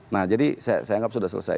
nah jadi saya anggap sudah selesai